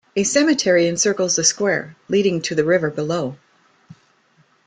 A cemetery encircles the square, leading to the river below.